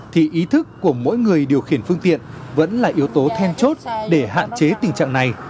thì ý thức của mỗi người điều khiển phương tiện vẫn là yếu tố then chốt để hạn chế tình trạng này